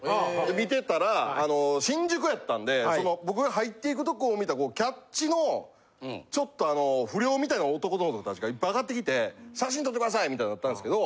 見てたら新宿やったんで僕が入っていくとこを見たキャッチのちょっとあの不良みたいな男たちがいっぱいあがってきて写真撮ってくださいみたいになったんですけど。